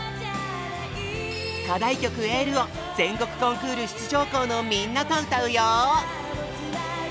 課題曲「ＹＥＬＬ」を全国コンクール出場校のみんなと歌うよ。